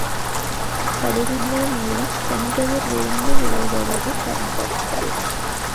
படிகங்கள் மூலம் செங்கதிர் விளிம்பு விளைவுகளைப் பயன்படுத்தல்.